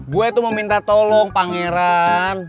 gue tuh mau minta tolong pangeran